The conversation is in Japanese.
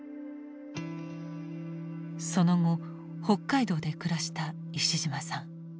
その後北海道で暮らした石島さん。